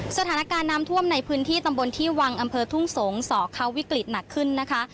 สถานการณ์น้ำท่วมในพื้นที่ตำบลที่วังอำเภอทุ่งสงศเขาวิกฤตหนักขึ้นนะคะ